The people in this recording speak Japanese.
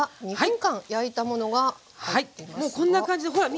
もうこんな感じでほら見て。